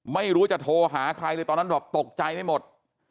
ไม่รู้จะโทรหาใครเลยตอนนั้นบอกตกใจไม่หมด